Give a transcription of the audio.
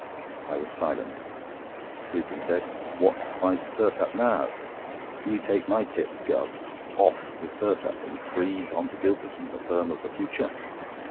I was silent. Lupin said: "What price Perkupp now? You take my tip, Guv.—'off' with Perkupp and freeze on to Gylterson, the firm of the future!